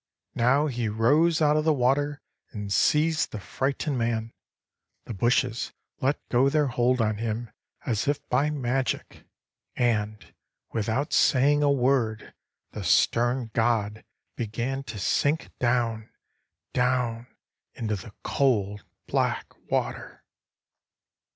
"Now he rose out of the water; and seized the frightened man. The bushes let go their hold on him as if by magic; and, without saying a word the stern god began to sink down, down into the cold, black water."